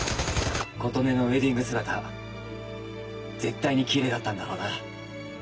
琴音のウエディング姿絶対にキレイだったんだろうな。